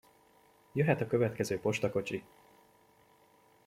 Jöhet a következő postakocsi!